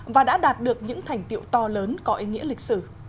và đã đạt được những thành tiệu to lớn có ý nghĩa lịch sử